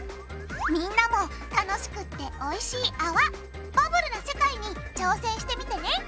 みんなも楽しくっておいしいあわバブルな世界に挑戦してみてね。